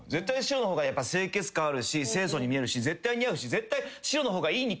やっぱ清潔感あるし清楚に見えるし絶対似合うし絶対白の方がいいに。